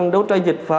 đấu tranh diệt phá